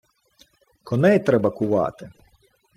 — Коней треба кувати.